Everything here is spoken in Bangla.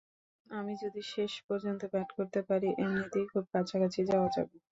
আমি যদি শেষ পর্যন্ত ব্যাট করতে পারি, এমনিতেই খুব কাছাকাছি যাওয়া যাবে।